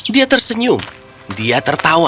dia tersenyum dia tertawa